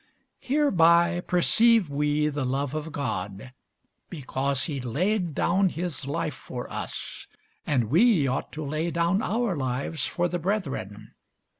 Hereby perceive we the love of God, because he laid down his life for us: and we ought to lay down our lives for the brethren.